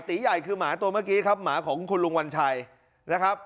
ตีใหญ่คือหมาตัวเมื่อกี้ครับหมาของคุณลุงวัญชัยนะครับ